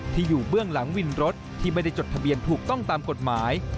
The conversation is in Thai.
ที่อยู่เบื้องหลังวินรถที่ไม่ได้จดทะเบียนถูกต้องตามกฎหมาย